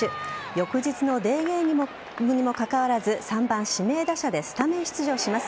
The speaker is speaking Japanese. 翌日のデーゲームにもかかわらず３番・指名打者でスタメン出場します。